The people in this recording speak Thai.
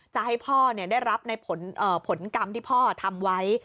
จะให้พ่อได้รับในผลกรรมที่พ่อทำไว้